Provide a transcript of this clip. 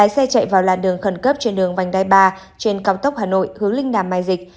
xe chạy vào làn đường khẩn cấp trên đường vành đai ba trên cao tốc hà nội hướng linh đàm mai dịch